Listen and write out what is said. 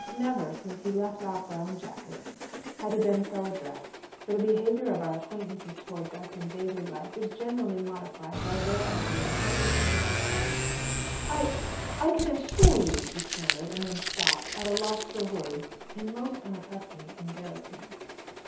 Never, since he left off round jackets, had he been so addressed: for the behaviour of our acquaintances towards us in daily life is generally modified by their idea of what we think of ourselves. "I I can assure you," he stammered; and then stopped, at a loss for words, in most unaccustomed embarrassment.